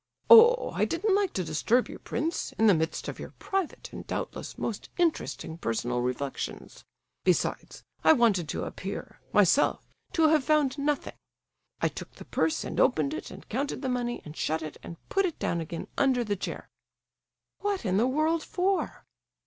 "Oh—I didn't like to disturb you, prince, in the midst of your private and doubtless most interesting personal reflections. Besides, I wanted to appear, myself, to have found nothing. I took the purse, and opened it, and counted the money, and shut it and put it down again under the chair." "What in the world for?"